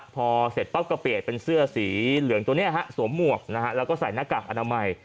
พอเสร็จปั๊บก็เปลี่ยนเป็นเสื้อสีเหลืองตัวนี้สวมหมวกนะฮะแล้วก็ใส่หน้ากากอนามัย